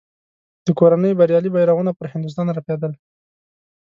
د کورنۍ بریالي بیرغونه پر هندوستان رپېدل.